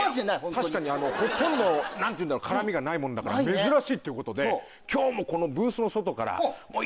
確かにあのほとんど何ていうんだろう絡みがないもんだから珍しいっていうことで今日もこのブースの外からもう。